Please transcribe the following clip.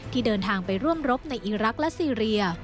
เดินทางไปร่วมรบในอีรักษ์และซีเรีย